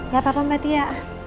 gak apa apa mbak tia